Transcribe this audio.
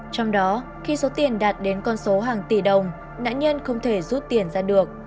trong đó khi số tiền đạt đến con số hàng tỷ đồng nạn nhân không thể rút tiền ra được